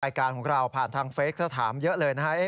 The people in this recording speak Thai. รายการของเราผ่านทางเฟสถ้าถามเยอะเลยนะฮะ